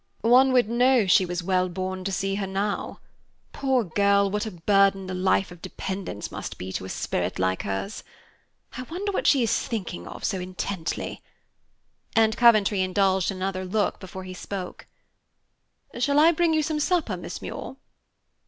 One would know she was wellborn to see her now. Poor girl, what a burden a life of dependence must be to a spirit like hers! I wonder what she is thinking of so intently. And Coventry indulged in another look before he spoke. "Shall I bring you some supper, Miss Muir?"